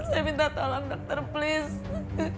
saya minta tolong dokter place